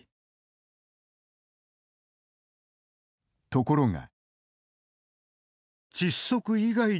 ところが。